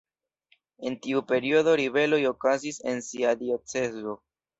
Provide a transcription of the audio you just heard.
En tiu periodo ribeloj okazis en sia diocezo.